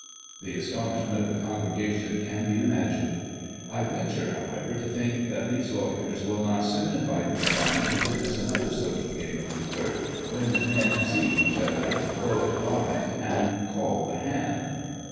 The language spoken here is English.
The astonishment of the congrega tion can be imagined. I venture, however, to think that these lawyers will not soon invite the divine to witness another social game of eucre, when men "see" each other, "go it blind," and " call" the hand.